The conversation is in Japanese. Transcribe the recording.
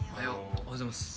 おはようございます。